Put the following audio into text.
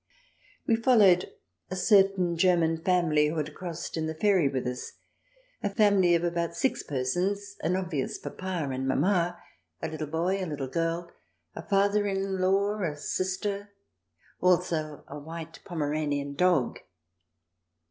We followed a certain German family, who had crossed in the ferry with us — a family of about six persons, an obvious papa and mamma, a little boy, a little girl, a father in law (?), and a sister (?), also a white Pomeranian dog.